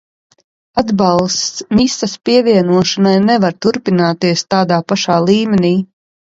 Atbalsts misas pievienošanai nevar turpināties tādā pašā līmenī.